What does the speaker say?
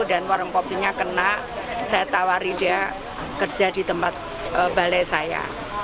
warung kopinya kena saya tawari dia kerja di tempat balai saya